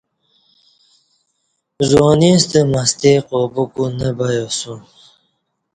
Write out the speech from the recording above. زُوانی ستہ مستی قابو کوں نہ بیاسوم